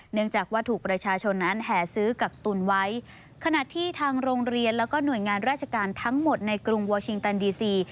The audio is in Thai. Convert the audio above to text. เนื่องจากว่าถูกประชาชนนั้นแห่ซื้อกักตุนไว้ขณะที่ทางโรงเรียนแล้วก็หน่วยงานราชการทั้งหมดในกรุงวัลชิงตันดีซี